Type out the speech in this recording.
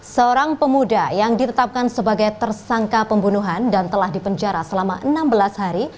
seorang pemuda yang ditetapkan sebagai tersangka pembunuhan dan telah dipenjara selama enam belas hari